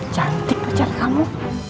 cantik pacar kamu